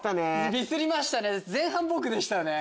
ミスりましたね。